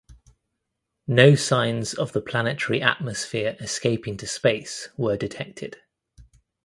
No signs of the planetary atmosphere escaping to space were detected.